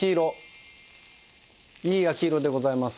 いい焼き色でございます。